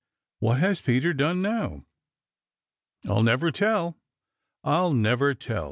"What has Peter done now?" "I'll never tell! I'll never tell!"